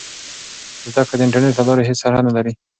زده کړه د انټرنیټ له لارې هېڅ سرحد نه لري.